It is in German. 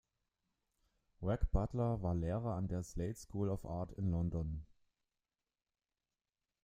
Reg Butler war Lehrer an der Slade School of Art in London.